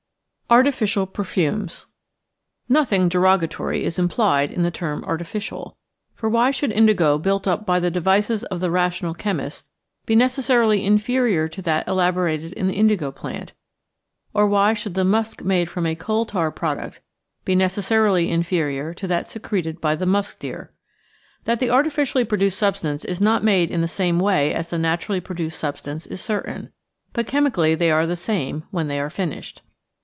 Artificial Perfumes Nothing derogatory is implied in the term "artificial," for why should indigo built up by the devices of the rational chemist be necessarily inferior to that elaborated in the indigo plant, or why should the musk made from a coal tar product be necessarily inferior to that secreted by the musk deer? That the artificially produced substance is not made in the same way as the naturally produced substance is certain, but chemically they are the same when they are finished.